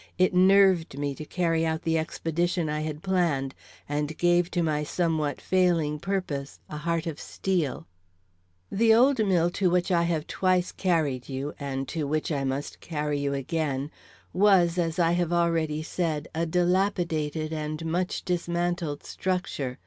It nerved me to carry out the expedition I had planned, and gave to my somewhat failing purpose a heart of steel. The old mill to which I have twice carried you, and to which I must carry you again, was, as I have already said, a dilapidated and much dismantled structure.